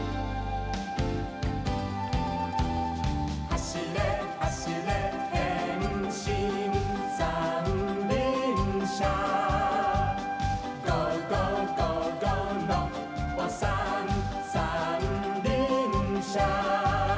「はしれはしれへんしんさんりんしゃ」「ゴーゴーゴーゴーノッポさんさんりんしゃ」